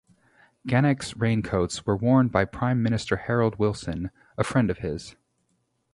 Gannex raincoats were worn by Prime Minister Harold Wilson, a friend of his.